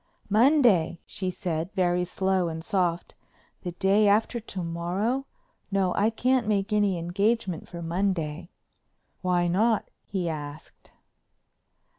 "Monday," she said very slow and soft, "the day after to morrow? No, I can't make any engagement for Monday." "Why not?" he asked.